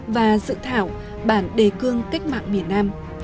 và dự thảo bản đề cương cách mạng miền nam